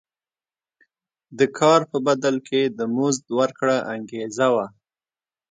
د کار په بدل کې د مزد ورکړه انګېزه وه.